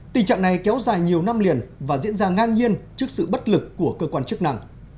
tình trạng này kéo dài nhiều năm liền và diễn ra ngang nhiên trước sự bất lực của cơ quan chức năng